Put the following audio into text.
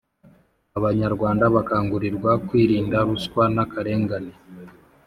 abanyarwanda bakangurirwa kwirinda ruswa n’akarengane.